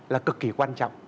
là cực kỳ quan trọng